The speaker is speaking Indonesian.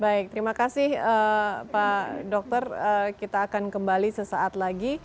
baik terima kasih pak dokter kita akan kembali sesaat lagi